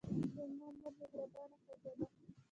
زما مور مهربانه ښځه ده.